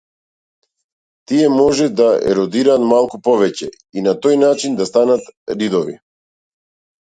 Тие може да еродираат малку повеќе и, на тој начин, да станат ридови.